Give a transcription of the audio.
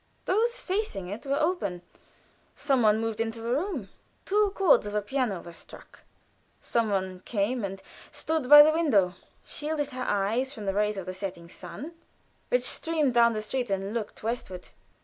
Those facing it were open; some one moved in the room. Two chords of a piano were struck. Some one came and stood by the window, shielded her eyes from the rays of the setting sun which streamed down the street and looked westward.